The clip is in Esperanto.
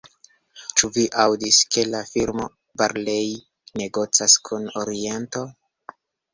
Ĉu vi aŭdis, ke la firmo Barlei negocas kun Oriento?